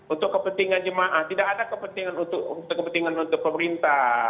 untuk kepentingan jemaah tidak ada kepentingan untuk pemerintah